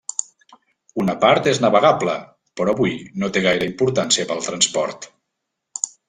Una part és navegable, però avui no té gaire importància pel transport.